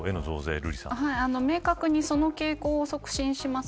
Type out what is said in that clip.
明確にその傾向を促進します。